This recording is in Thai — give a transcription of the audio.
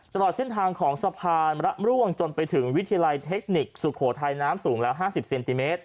ตลอดเส้นทางของสะพานระร่วงจนไปถึงวิทยาลัยเทคนิคสุโขทัยน้ำสูงแล้ว๕๐เซนติเมตร